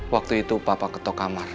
waktu itu papa ketok kamar